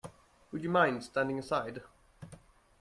Would you mind standing aside?